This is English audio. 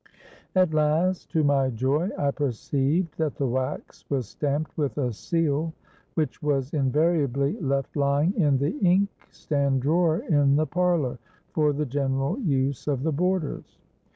At last, to my joy, I perceived that the wax was stamped with a seal which was invariably left lying in the ink stand drawer in the parlour, for the general use of the boarders.